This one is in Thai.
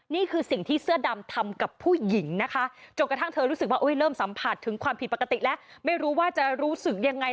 นี่คือสิ่งที่เสื้อดำทำกับผู้หญิงนะคะจนกระทั่งเธอรู้สึกว่าเริ่มสัมผัสถึงความผิดปกติแล้วไม่รู้ว่าจะรู้สึกยังไง